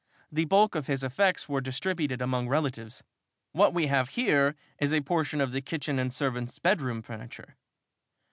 The bulk of his effects were distributed among relatives. What we have here is a portion of the kitchen and servant's bedroom furniture."